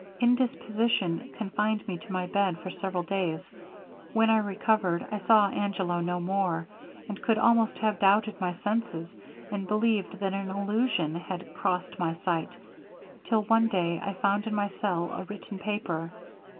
Indisposition confined me to my bed for several days; when I recovered, I saw Angelo no more, and could almost have doubted my senses, and believed that an illusion had crossed my sight, till one day I found in my cell a written paper.